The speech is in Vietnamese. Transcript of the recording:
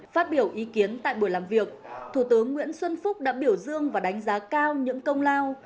phát biểu ý kiến tại buổi làm việc thủ tướng nguyễn xuân phúc đã biểu dương và đánh giá cao những công lao